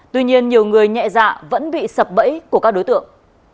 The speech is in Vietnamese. tuy nhiên nhiều người nhẹ dạ vẫn bị sập bẫy của các đối tượng